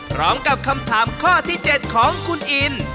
พร้อมกับคำถามข้อที่๗ของคุณอิน